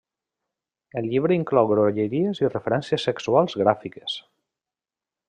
El llibre inclou grolleries i referències sexuals gràfiques.